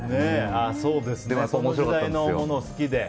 その時代のものがお好きで。